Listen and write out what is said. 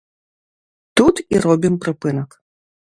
Тут і робім прыпынак.